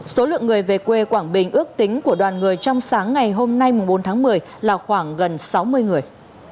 số lượng người về quê quảng bình ước tính của đoàn người trong sáng ngày hôm nay bốn tháng một mươi là khoảng gần sáu mươi người